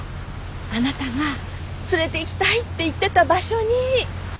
あなたが連れていきたいって言ってた場所に。